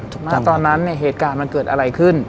ตอนนั้นเนี่ยเหตุการณ์มันเกิดอะไรขึ้น